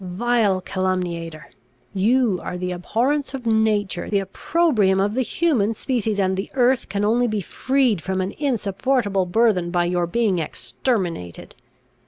Vile calumniator! you are the abhorrence of nature, the opprobrium of the human species, and the earth can only be freed from an insupportable burthen by your being exterminated!